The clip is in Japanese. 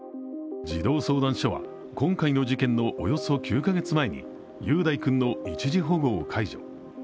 児童相談所は今回の事件のおよそ９カ月前に雄太君の一時保護を解除。